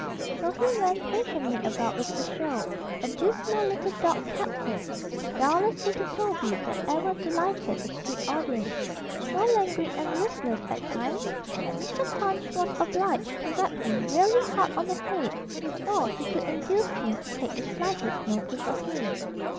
So he went patiently about with the show, a dismal little dog captive, the dullest little Toby that ever delighted a street audience; so languid and listless at times that Mr. Punch was obliged to rap him really hard on the head before he could induce him to take the slightest notice of him.